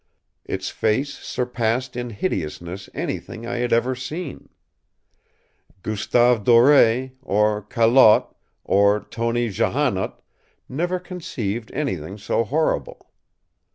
Its face surpassed in hideousness anything I had ever seen. Gustave Doré, or Callot, or Tony Johannot, never conceived anything so horrible.